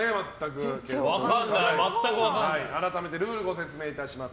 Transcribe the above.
改めてルールを説明します。